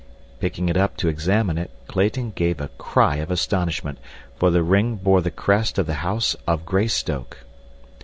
Picking it up to examine it, Clayton gave a cry of astonishment, for the ring bore the crest of the house of Greystoke.